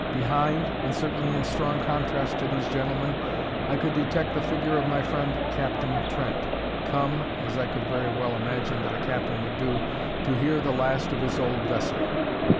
Behind, and certainly in strong contrast to these gentlemen, I could detect the figure of my friend Captain Trent, come (as I could very well imagine that a captain would) to hear the last of his old vessel.